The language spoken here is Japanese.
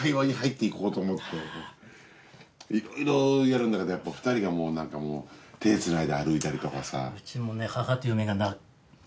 いろいろやるんだけどやっぱ２人がもうなんかもう手つないで歩いたりとかさ。